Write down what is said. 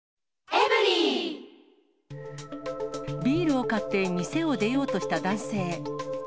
ビールを買って、店を出ようとした男性。